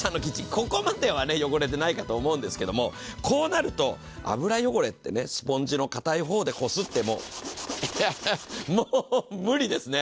ここまでは汚れてないと思いますが、こうなると、油汚れってスポンジの固い方でこすってももう無理ですね。